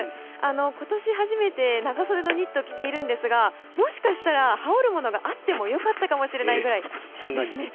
今年初めて長袖のニットを着ているんですがもしかしたら羽織るものがあっても良かったかもしれないくらいです。